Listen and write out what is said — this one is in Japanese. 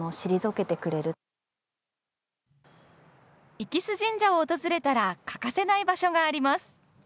息栖神社を訪れたら欠かせない場所があります。